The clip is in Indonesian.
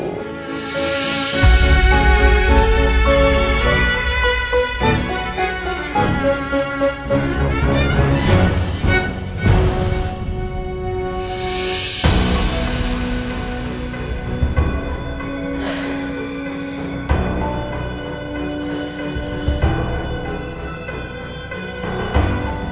sayang bukan begitu